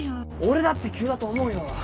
俺だって急だと思うよ。